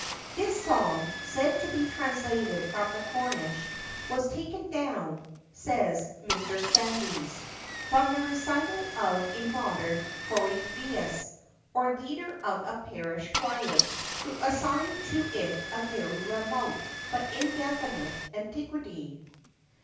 [THIS song, said to be translated from the Cornish, 'was taken down,' says Mr. Sandys, 'from the recital of a modern Corypheus, or leader of a parish choir,' who assigned to it a very remote, but indefinite, antiquity.